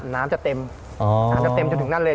น้ำจะเต็มน้ำจะเต็มจนถึงนั่นเลย